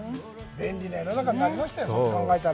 便利な世の中になりましたよ、考えたら。